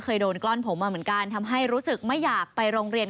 เคยโดนกล้อนผมมาเหมือนกันทำให้รู้สึกไม่อยากไปโรงเรียน